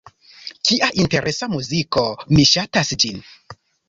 Kia interesa muziko. Mi ŝatas ĝin.